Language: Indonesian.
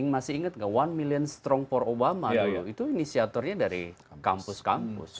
masih inget gak one million strong for obama dulu itu inisiatornya dari kampus kampus